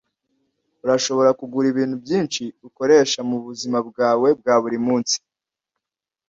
urashobora kugura ibintu byinshi ukoresha mubuzima bwawe bwa buri munsi.